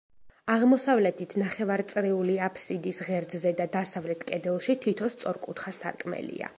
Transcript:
აღმოსავლეთით, ნახევარწრიული აფსიდის ღერძზე და დასავლეთ კედელში თითო სწორკუთხა სარკმელია.